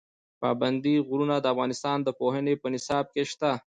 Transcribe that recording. پابندي غرونه د افغانستان د پوهنې په نصاب کې شته.